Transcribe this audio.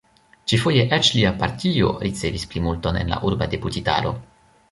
Ĉi-foje eĉ lia partio ricevis plimulton en la urba deputitaro.